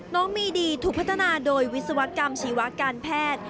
น้องมีดีถูกพัฒนาโดยวิศวกรรมชีวการแพทย์